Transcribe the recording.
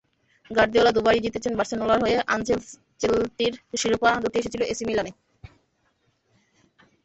Guardiola দুবারই জিতেছেন বার্সেলোনার হয়ে, আনচেলত্তির শিরোপা দুটি এসেছিল এসি মিলানে।